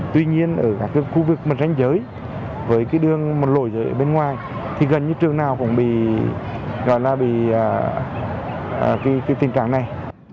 tuy nhiên ở các khu vực mình ranh giới với cái đường mình lồi dưới ở bên ngoài thì gần như trường nào cũng bị gọi là bị cái tình trạng này